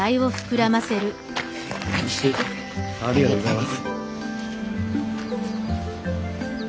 ありがとうございます。